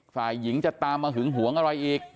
ฝ่ายหญิงจะตามมาหึงหวงอะไรอีก